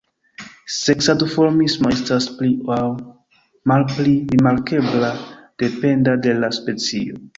Seksa duformismo estas pli aŭ malpli rimarkebla depende de la specio.